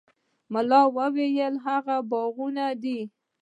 ملا وويل هغوى باغيان دي.